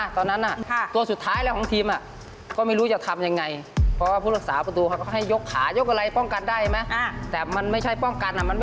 แต่ถ้ามันเป็นยังไงถ้าวันนั้น